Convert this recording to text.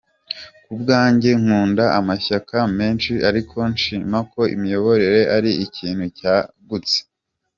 Ku bwanjye nkunda amashyaka menshi ariko nshima ko imiyoborere ari ikintu cyagutse.